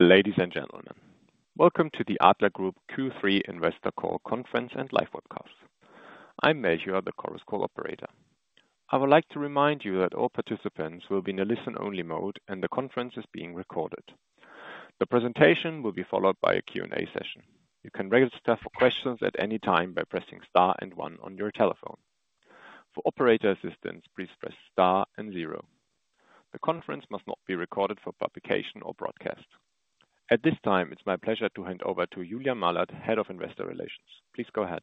Ladies and gentlemen, welcome to the Adler Group Q3 Investor Call Conference and Live Webcast. I'm Melchior, the call's operator. I would like to remind you that all participants will be in a listen-only mode, and the conference is being recorded. The presentation will be followed by a Q&A session. You can register for questions at any time by pressing star and one on your telephone. For operator assistance, please press star and zero. The conference must not be recorded for publication or broadcast. At this time, it's my pleasure to hand over to Julien Mahlert, Head of Investor Relations. Please go ahead.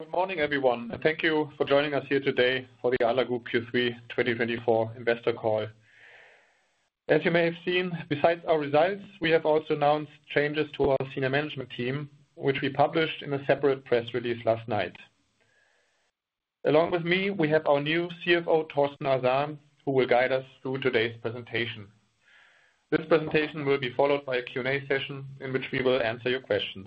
Good morning, everyone, and thank you for joining us here today for the Adler Group Q3 2024 Investor Call. As you may have seen, besides our results, we have also announced changes to our senior management team, which we published in a separate press release last night. Along with me, we have our new CFO, Thorsten Arsan, who will guide us through today's presentation. This presentation will be followed by a Q&A session in which we will answer your questions.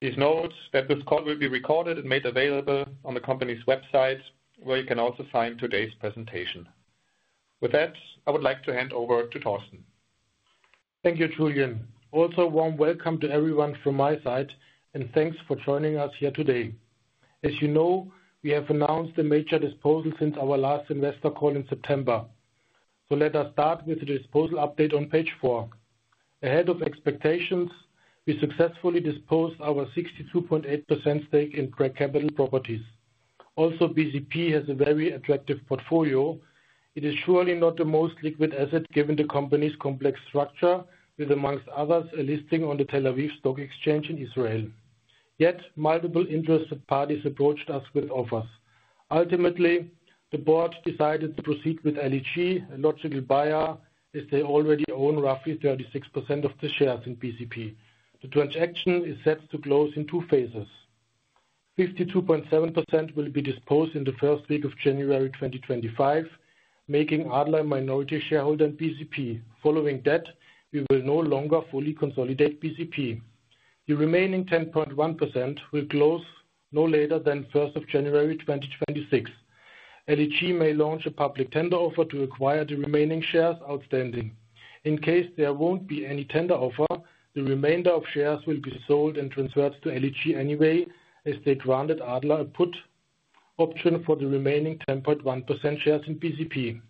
Please note that this call will be recorded and made available on the company's website, where you can also find today's presentation. With that, I would like to hand over to Thorsten. Thank you, Julien. Also, a warm welcome to everyone from my side, and thanks for joining us here today. As you know, we have announced a major disposal since our last Investor Call in September. So let us start with the disposal update on page four. Ahead of expectations, we successfully disposed of our 62.8% stake in Brack Capital Properties. Also, BCP has a very attractive portfolio. It is surely not the most liquid asset given the company's complex structure, with, amongst others, a listing on the Tel Aviv Stock Exchange in Israel. Yet, multiple interested parties approached us with offers. Ultimately, the board decided to proceed with LEG, a logical buyer, as they already own roughly 36% of the shares in BCP. The transaction is set to close in two phases. 52.7% will be disposed in the first week of January 2025, making Adler a minority shareholder in BCP. Following that, we will no longer fully consolidate BCP. The remaining 10.1% will close no later than 1 January 2026. LEG may launch a public tender offer to acquire the remaining shares outstanding. In case there won't be any tender offer, the remainder of shares will be sold and transferred to LEG anyway, as they granted Adler a put option for the remaining 10.1% shares in BCP.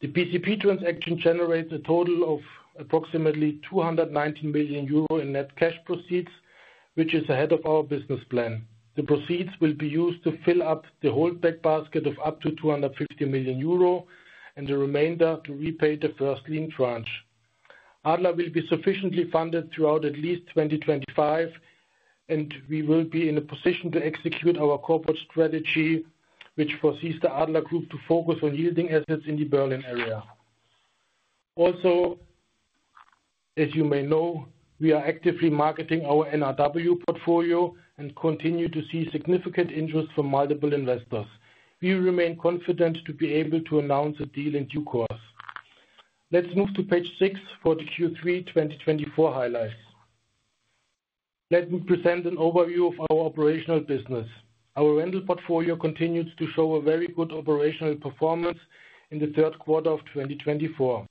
The BCP transaction generates a total of approximately 290 million euro in net cash proceeds, which is ahead of our business plan. The proceeds will be used to fill up the holdback basket of up to 250 million euro and the remainder to repay the first lien tranche. Adler will be sufficiently funded throughout at least 2025, and we will be in a position to execute our corporate strategy, which foresees the Adler Group to focus on yielding assets in the Berlin area. Also, as you may know, we are actively marketing our NRW portfolio and continue to see significant interest from multiple investors. We remain confident to be able to announce a deal in due course. Let's move to page six for the Q3 2024 highlights. Let me present an overview of our operational business. Our rental portfolio continues to show a very good operational performance in the third quarter of 2024.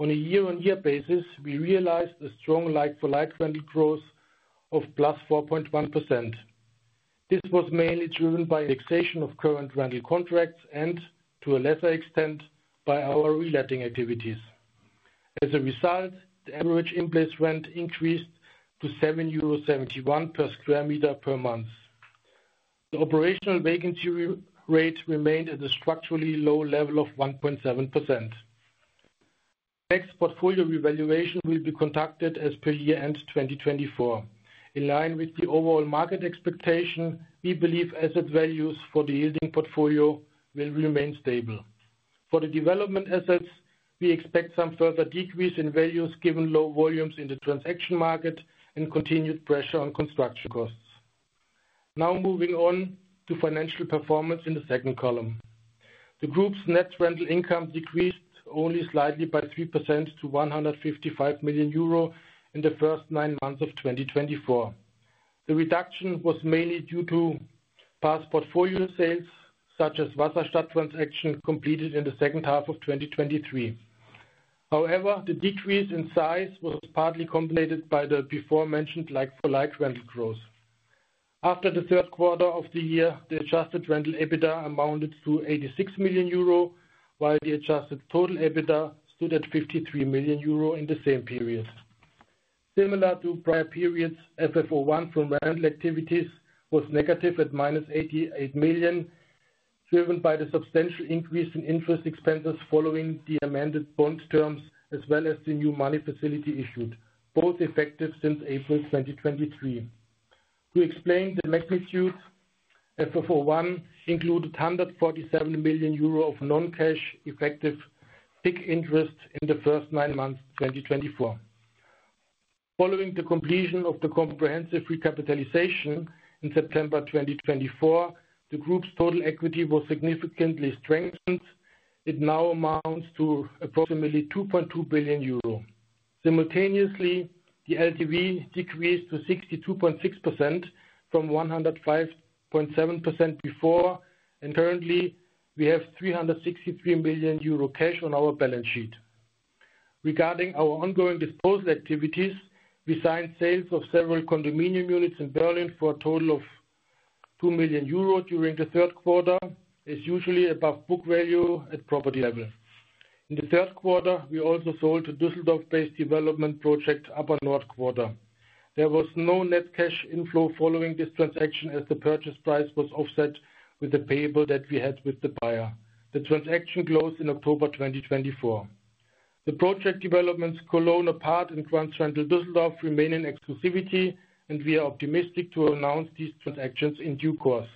On a year-on-year basis, we realized a strong like-for-like rental growth of +4.1%. This was mainly driven by the fixation of current rental contracts and, to a lesser extent, by our reletting activities. As a result, the average in-place rent increased to 7.71 euro per square meter per month. The operational vacancy rate remained at a structurally low level of 1.7%. Next, portfolio revaluation will be conducted as per year-end 2024. In line with the overall market expectation, we believe asset values for the yielding portfolio will remain stable. For the development assets, we expect some further decrease in values given low volumes in the transaction market and continued pressure on construction costs. Now, moving on to financial performance in the second column. The group's net rental income decreased only slightly by 3% to 155 million euro in the first nine months of 2024. The reduction was mainly due to past portfolio sales, such as Wasserstadt transaction completed in the second half of 2023. However, the decrease in size was partly compensated by the before-mentioned like-for-like rental growth. After the third quarter of the year, the adjusted rental EBITDA amounted to 86 million euro, while the adjusted total EBITDA stood at 53 million euro in the same period. Similar to prior periods, FFO1 from rental activities was negative at -88 million, driven by the substantial increase in interest expenses following the amended bond terms, as well as the new money facility issued, both effective since April 2023. To explain the magnitude, FFO1 included 147 million euro of non-cash effective fixed interest in the first nine months of 2024. Following the completion of the comprehensive recapitalization in September 2024, the group's total equity was significantly strengthened. It now amounts to approximately 2.2 billion euro. Simultaneously, the LTV decreased to 62.6% from 105.7% before, and currently, we have 363 million euro cash on our balance sheet. Regarding our ongoing disposal activities, we signed sales of several condominium units in Berlin for a total of 2 million euros during the third quarter, as usually above book value at property level. In the third quarter, we also sold a Düsseldorf-based development project UpperNord Quarter. There was no net cash inflow following this transaction, as the purchase price was offset with the payable that we had with the buyer. The transaction closed in October 2024. The project developments Cologne Apart and Grand Central Düsseldorf remain in exclusivity, and we are optimistic to announce these transactions in due course.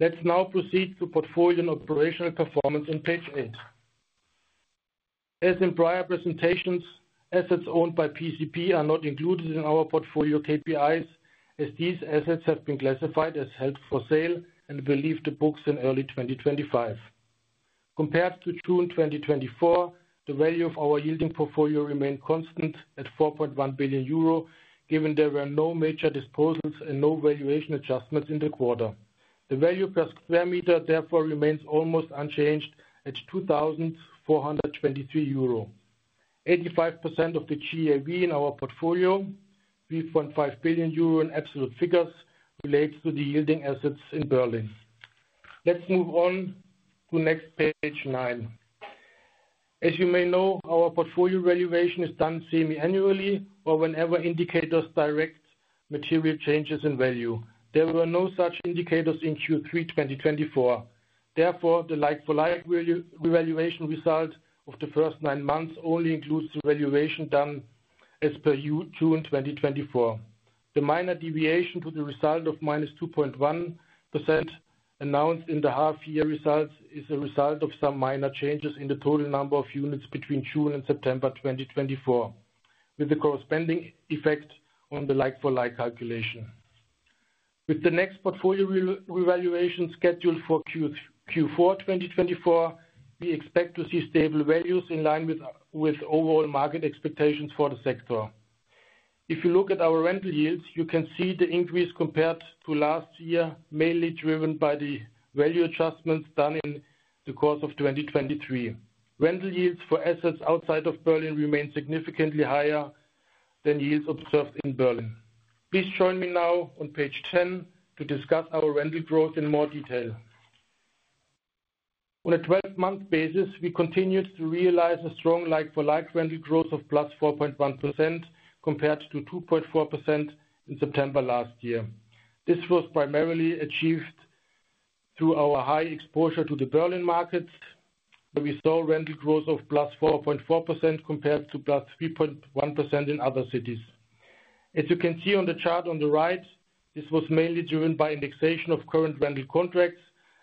Let's now proceed to portfolio and operational performance on page eight. As in prior presentations, assets owned by BCP are not included in our portfolio KPIs, as these assets have been classified as held for sale and will leave the books in early 2025. Compared to June 2024, the value of our yielding portfolio remained constant at 4.1 billion euro, given there were no major disposals and no valuation adjustments in the quarter. The value per sq m, therefore, remains almost unchanged at 2,423 euro. 85% of the GAV in our portfolio, 3.5 billion euro in absolute figures, relates to the yielding assets in Berlin. Let's move on to next page nine. As you may know, our portfolio valuation is done semi-annually or whenever indicators indicate material changes in value. There were no such indicators in Q3 2024. Therefore, the like-for-like revaluation result of the first nine months only includes the valuation done as per June 2024. The minor deviation to the result of -2.1% announced in the half-year results is a result of some minor changes in the total number of units between June and September 2024, with the corresponding effect on the like-for-like calculation. With the next portfolio revaluation scheduled for Q4 2024, we expect to see stable values in line with overall market expectations for the sector. If you look at our rental yields, you can see the increase compared to last year, mainly driven by the value adjustments done in the course of 2023. Rental yields for assets outside of Berlin remain significantly higher than yields observed in Berlin. Please join me now on page 10 to discuss our rental growth in more detail. On a 12-month basis, we continued to realize a strong like-for-like rental growth of +4.1% compared to 2.4% in September last year. This was primarily achieved through our high exposure to the Berlin market, where we saw rental growth of +4.4% compared to +3.1% in other cities. As you can see on the chart on the right, this was mainly driven by indexation of current rental contracts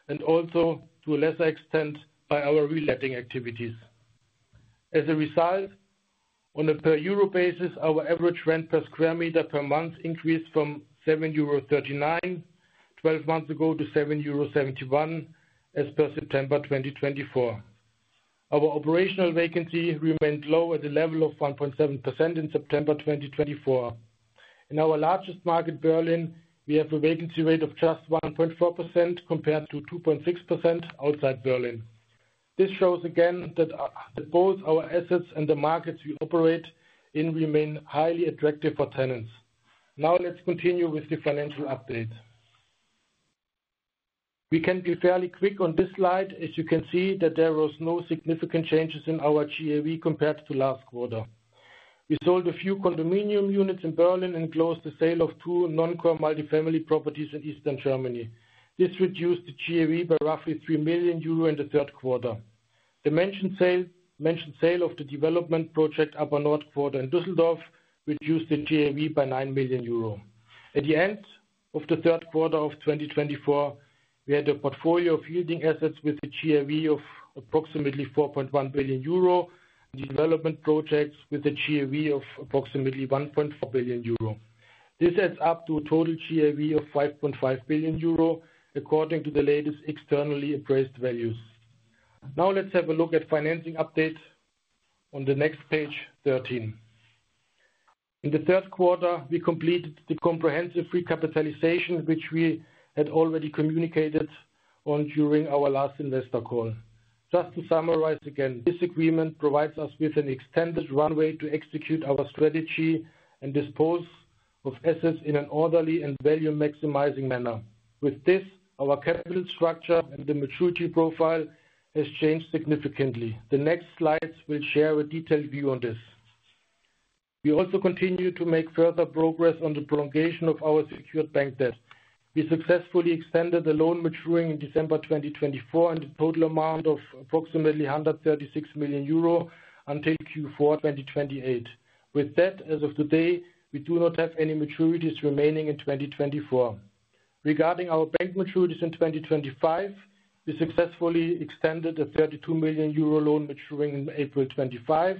and also, to a lesser extent, by our reletting activities. As a result, on a per-euro basis, our average rent per square meter per month increased from 7.39 euro twelve months ago to 7.71 euro as per September 2024. Our operational vacancy remained low at the level of 1.7% in September 2024. In our largest market, Berlin, we have a vacancy rate of just 1.4% compared to 2.6% outside Berlin. This shows again that both our assets and the markets we operate in remain highly attractive for tenants. Now, let's continue with the financial update. We can be fairly quick on this slide, as you can see that there were no significant changes in our GAV compared to last quarter. We sold a few condominium units in Berlin and closed the sale of two non-core multifamily properties in Eastern Germany. This reduced the GAV by roughly 3 million euro in the third quarter. The mentioned sale of the development project UpperNord Quarter in Düsseldorf reduced the GAV by 9 million euro. At the end of the third quarter of 2024, we had a portfolio of yielding assets with a GAV of approximately 4.1 billion euro and development projects with a GAV of approximately 1.4 billion euro. This adds up to a total GAV of 5.5 billion euro, according to the latest externally appraised values. Now, let's have a look at financing updates on the next page 13. In the third quarter, we completed the comprehensive recapitalization, which we had already communicated on during our last Investor Call. Just to summarize again, this agreement provides us with an extended runway to execute our strategy and dispose of assets in an orderly and value-maximizing manner. With this, our capital structure and the maturity profile have changed significantly. The next slides will share a detailed view on this. We also continue to make further progress on the prolongation of our secured bank debt. We successfully extended the loan maturing in December 2024 and the total amount of approximately 136 million euro until Q4 2028. With that, as of today, we do not have any maturities remaining in 2024. Regarding our bank maturities in 2025, we successfully extended a 32 million euro loan maturing in April 2025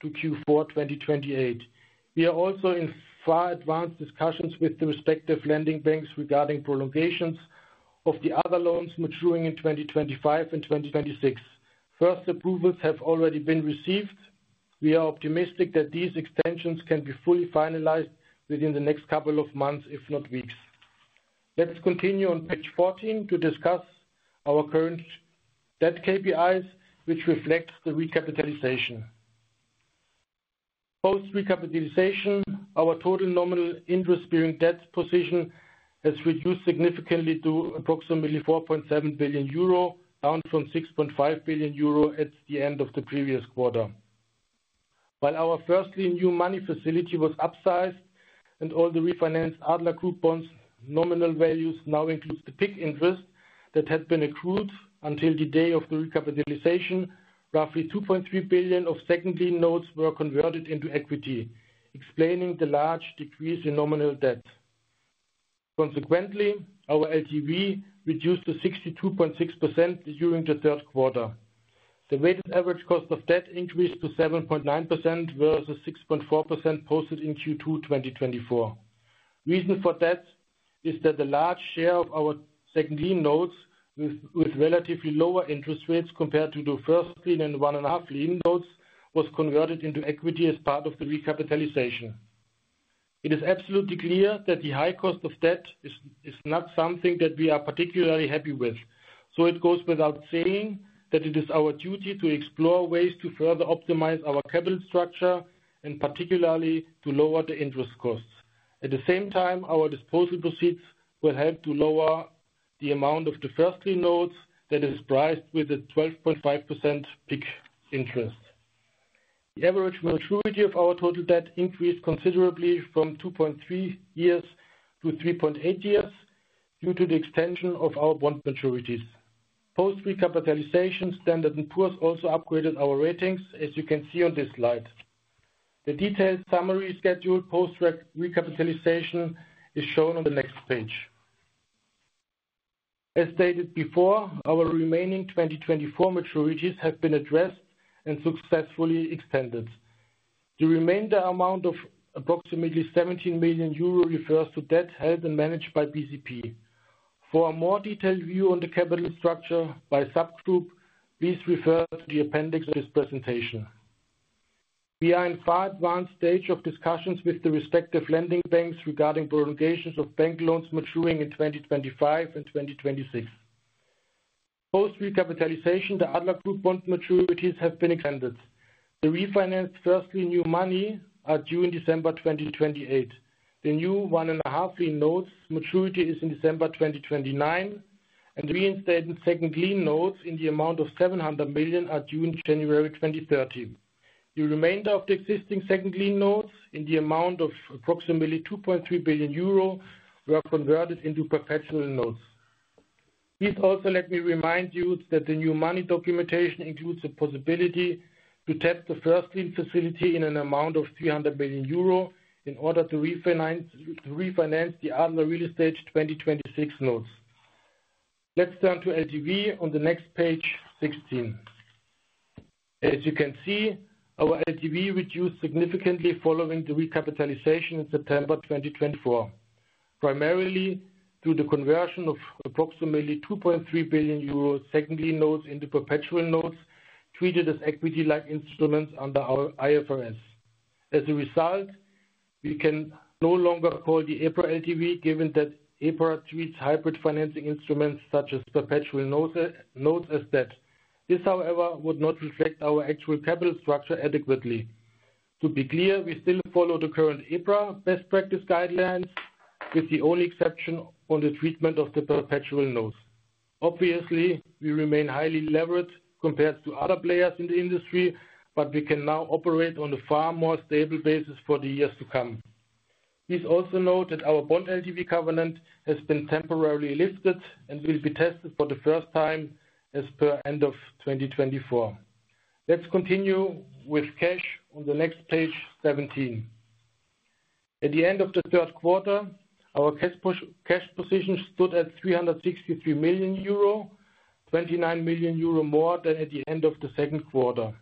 to Q4 2028. We are also in far-advanced discussions with the respective lending banks regarding prolongations of the other loans maturing in 2025 and 2026. First approvals have already been received. We are optimistic that these extensions can be fully finalized within the next couple of months, if not weeks. Let's continue on page 14 to discuss our current debt KPIs, which reflect the recapitalization. Post-recapitalization, our total nominal interest-bearing debt position has reduced significantly to approximately 4.7 billion euro, down from €6.5 billion at the end of the previous quarter. While our first lien new money facility was upsized and all the refinanced Adler Group bonds' nominal values now include the fixed interest that had been accrued until the day of the recapitalization, roughly 2.3 billion of second lien notes were converted into equity, explaining the large decrease in nominal debt. Consequently, our LTV reduced to 62.6% during the third quarter. The weighted average cost of debt increased to 7.9% versus 6.4% posted in Q2 2024. The reason for that is that the large share of our second lien notes, with relatively lower interest rates compared to the first lien and 1.5 lien notes, was converted into equity as part of the recapitalization. It is absolutely clear that the high cost of debt is not something that we are particularly happy with. So it goes without saying that it is our duty to explore ways to further optimize our capital structure and particularly to lower the interest costs. At the same time, our disposal proceeds will help to lower the amount of the first lien notes that is priced with a 12.5% fixed interest. The average maturity of our total debt increased considerably from 2.3 years to 3.8 years due to the extension of our bond maturities. Post-recapitalization, Standard & Poor's also upgraded our ratings, as you can see on this slide. The detailed summary schedule post-recapitalization is shown on the next page. As stated before, our remaining 2024 maturities have been addressed and successfully extended. The remainder amount of approximately 17 million euro refers to debt held and managed by PCP. For a more detailed view on the capital structure by subgroup, please refer to the appendix of this presentation. We are in a far-advanced stage of discussions with the respective lending banks regarding prolongations of bank loans maturing in 2025 and 2026. Post-recapitalization, the Adler Group bond maturities have been extended. The refinanced first-lien new money are due in December 2028. The new 1.5 lien notes' maturity is in December 2029, and the reinstated second-lien notes in the amount of 700 million are due in January 2030. The remainder of the existing second-lien notes in the amount of approximately 2.3 billion euro were converted into perpetual notes. Please also let me remind you that the new money documentation includes the possibility to tap the first-lien facility in an amount of 300 million euro in order to refinance the Adler Real Estate 2026 notes. Let's turn to LTV on the next page, 16. As you can see, our LTV reduced significantly following the recapitalization in September 2024, primarily through the conversion of approximately 2.3 billion euros second lien notes into perpetual notes treated as equity-like instruments under our IFRS. As a result, we can no longer call the EPRA LTV, given that EPRA treats hybrid financing instruments such as perpetual notes as debt. This, however, would not reflect our actual capital structure adequately. To be clear, we still follow the current EPRA best practice guidelines, with the only exception on the treatment of the perpetual notes. Obviously, we remain highly levered compared to other players in the industry, but we can now operate on a far more stable basis for the years to come. Please also note that our bond LTV covenant has been temporarily lifted and will be tested for the first time as per end of 2024. Let's continue with cash on the next page, 17. At the end of the third quarter, our cash position stood at 363 million euro, 29 million euro more than at the end of the second quarter.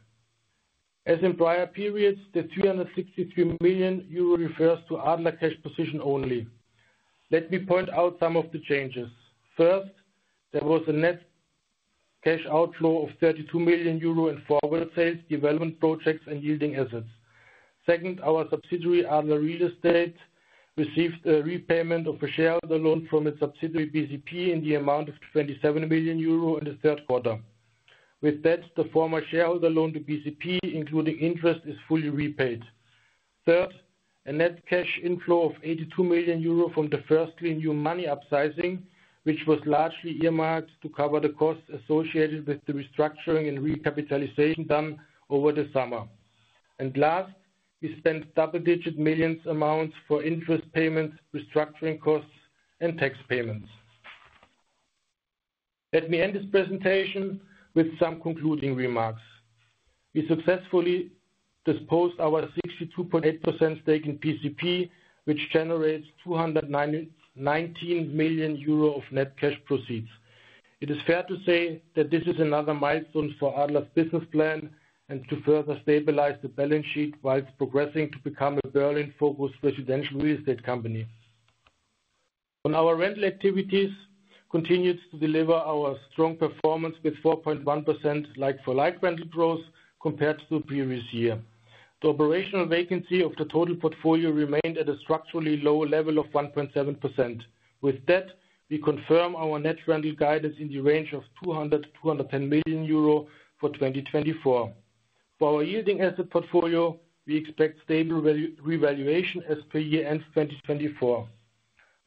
As in prior periods, the 363 million euro refers to Adler cash position only. Let me point out some of the changes. First, there was a net cash outflow of 32 million euro in forward sales, development projects, and yielding assets. Second, our subsidiary Adler Real Estate received a repayment of a shareholder loan from its subsidiary BCP in the amount of 27 million euro in the third quarter. With that, the former shareholder loan to BCP, including interest, is fully repaid. Third, a net cash inflow of 82 million euro from the First Lien new money upsizing, which was largely earmarked to cover the costs associated with the restructuring and recapitalization done over the summer. Last, we spent double-digit millions amounts for interest payments, restructuring costs, and tax payments. Let me end this presentation with some concluding remarks. We successfully disposed of our 62.8% stake in PCP, which generates 219 million euro of net cash proceeds. It is fair to say that this is another milestone for Adler's business plan and to further stabilize the balance sheet while progressing to become a Berlin-focused residential real estate company. On our rental activities, continued to deliver our strong performance with 4.1% like-for-like rental growth compared to the previous year. The operational vacancy of the total portfolio remained at a structurally low level of 1.7%. With that, we confirm our net rental guidance in the range of 200 million-210 million euro for 2024. For our yielding asset portfolio, we expect stable revaluation as per year-end 2024.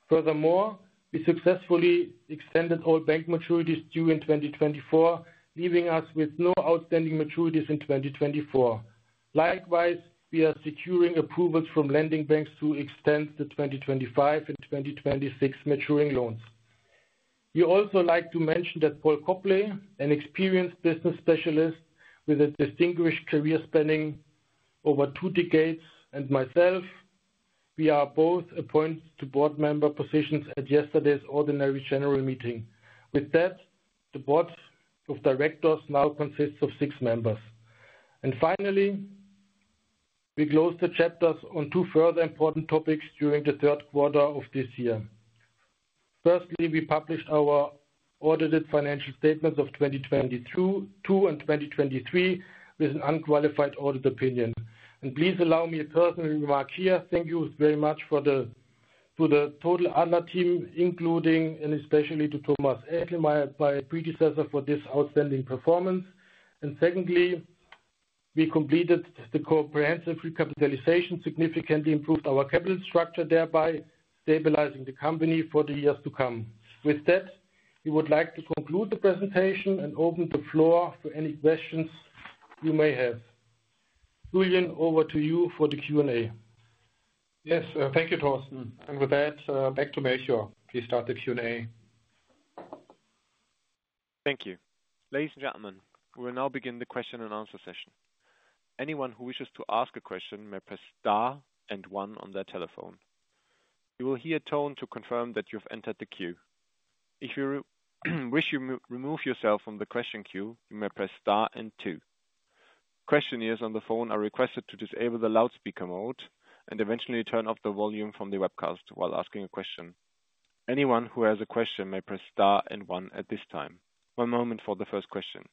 Furthermore, we successfully extended all bank maturities due in 2024, leaving us with no outstanding maturities in 2024. Likewise, we are securing approvals from lending banks to extend the 2025 and 2026 maturing loans. We also like to mention that Paul Kölbl, an experienced business specialist with a distinguished career spanning over two decades, and myself, we are both appointed to board member positions at yesterday's ordinary general meeting. With that, the board of directors now consists of six members. And finally, we close the chapters on two further important topics during the third quarter of this year. Firstly, we published our audited financial statements of 2022 and 2023 with an unqualified audit opinion. And please allow me a personal remark here. Thank you very much to the total Adler team, including and especially to Thomas Echelmeyer, my predecessor, for this outstanding performance. And secondly, we completed the comprehensive recapitalization, significantly improved our capital structure, thereby stabilizing the company for the years to come. With that, we would like to conclude the presentation and open the floor for any questions you may have. Julian, over to you for the Q&A. Yes, thank you, Thorsten. And with that, back to Melchior. Please start the Q&A. Thank you. Ladies and gentlemen, we will now begin the question and answer session. Anyone who wishes to ask a question may press star and one on their telephone. You will hear a tone to confirm that you have entered the queue. If you wish to remove yourself from the question queue, you may press star and and. Questioners on the phone are requested to disable the loudspeaker mode and eventually turn off the volume from the webcast while asking a question. Anyone who has a question may press Star and 1 at this time. One moment for the first question.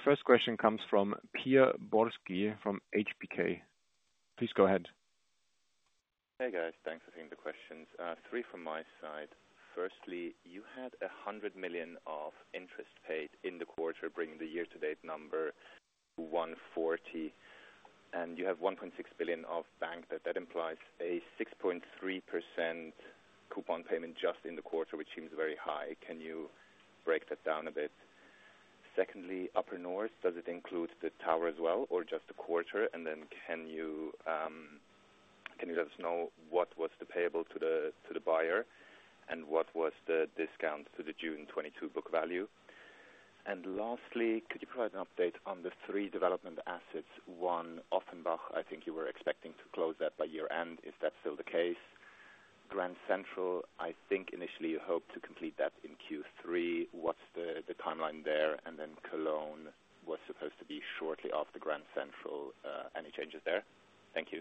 Our first question comes from Piotr Borski from HBK. Please go ahead. Hey, guys. Thanks for seeing the questions. Three from my side. Firstly, you had 100 million of interest paid in the quarter, bringing the year-to-date number to 140. And you have 1.6 billion of bank debt. That implies a 6.3% coupon payment just in the quarter, which seems very high. Can you break that down a bit? Secondly, UpperNord, does it include the tower as well or just the quarter? And then can you let us know what was the payable to the buyer and what was the discount to the June 2022 book value? And lastly, could you provide an update on the three development assets? One, Offenbach, I think you were expecting to close that by year-end. Is that still the case? Grand Central, I think initially you hoped to complete that in Q3. What's the timeline there and then Cologne was supposed to be shortly after Grand Central? Any changes there? Thank you.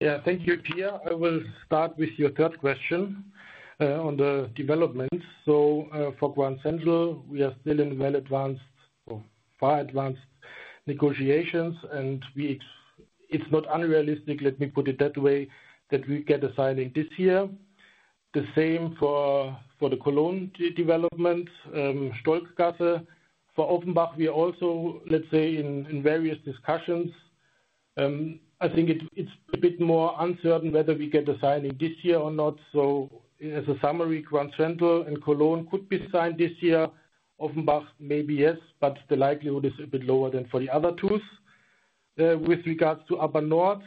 Yeah, thank you, Pierre. I will start with your third question on the development so for Grand Central, we are still in well-advanced or far-advanced negotiations, and it's not unrealistic, let me put it that way, that we get a signing this year. The same for the Cologne development, Stolzgasse. For Offenbach, we are also, let's say, in various discussions. I think it's a bit more uncertain whether we get a signing this year or not so as a summary, Grand Central and Cologne could be signed this year. Offenbach, maybe yes, but the likelihood is a bit lower than for the other two. With regards to UpperNord,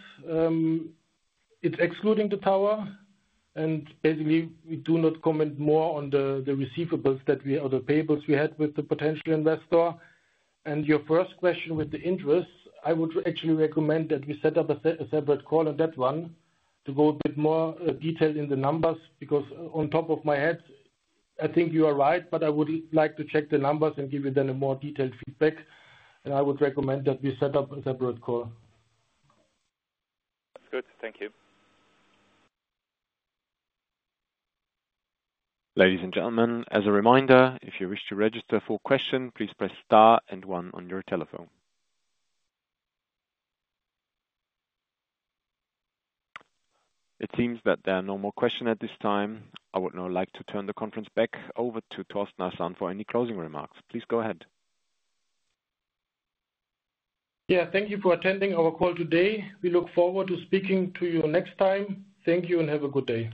it's excluding the tower, and basically, we do not comment more on the receivables that we or the payables we had with the potential investor, and your first question with the interest, I would actually recommend that we set up a separate call on that one to go a bit more detailed in the numbers because on top of my head, I think you are right, but I would like to check the numbers and give you then a more detailed feedback, and I would recommend that we set up a separate call. That's good. Thank you. Ladies and gentlemen, as a reminder, if you wish to register for questions, please press Star and 1 on your telephone. It seems that there are no more questions at this time. I would now like to turn the conference back over to Thorsten Arsan for any closing remarks. Please go ahead. Yeah, thank you for attending our call today. We look forward to speaking to you next time. Thank you and have a good day.